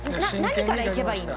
何からいけばいいの？